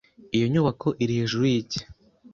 Iyo nyubako iri hejuru ki?